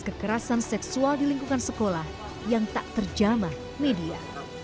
kekerasan seksual di lingkungan sekolah yang tak terjamah media